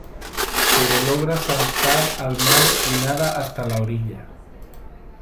Pero logra saltar al mar y nada hasta la orilla.